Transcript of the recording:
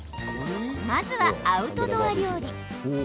まずは、アウトドア料理。